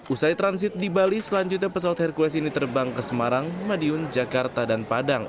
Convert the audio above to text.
usai transit di bali selanjutnya pesawat hercules ini terbang ke semarang madiun jakarta dan padang